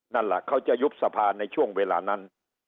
นั่นแหละเขาจะยุบสภาในช่วงเวลานั้น